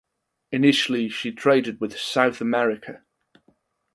Initially she traded with South America.